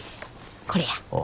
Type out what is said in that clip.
これや。